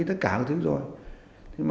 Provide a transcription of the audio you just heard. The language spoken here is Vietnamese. tất cả các thứ rồi